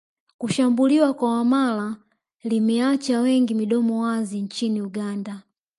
Kushambuliwa kwa Wamala limeacha wengi midomo wazi nchini Uganda